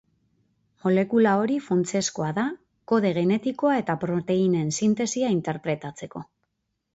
Molekula hori funtsezkoa da kode genetikoa eta proteinen sintesia interpretatzeko.